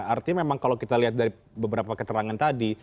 artinya memang kalau kita lihat dari beberapa keterangan tadi